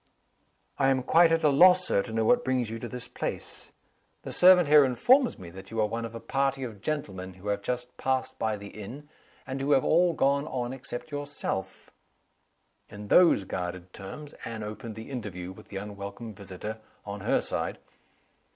"I am quite at a loss, Sir, to know what brings you to this place. The servant here informs me that you are one of a party of gentlemen who have just passed by the inn, and who have all gone on except yourself." In those guarded terms Anne opened the interview with the unwelcome visitor, on her side.